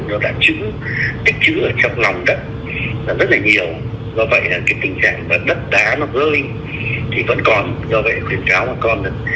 do ảnh hưởng liên tiếp với hai cơn bão